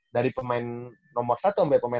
dari pemain nomor satu ambil pemain